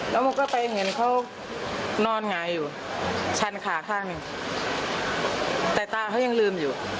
แล้วมันก็ไปเห็นเขานอนหงายอยู่ชั้นขาข้างหนึ่งแต่ตาเขายังลืมอยู่